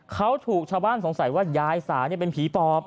เขาถูกชาวบ้านสงสัยว่ายายสาเป็นผีปอบ